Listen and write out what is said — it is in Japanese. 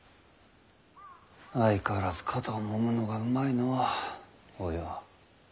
相変わらず肩をもむのがうまいのうお葉。